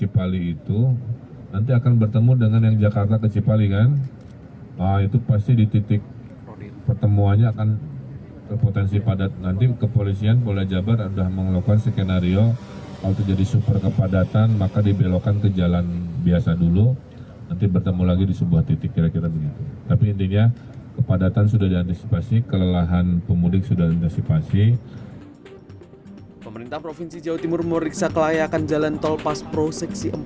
pemerintah provinsi jawa timur meriksa kelayakan jalan tol pas pro seksi empat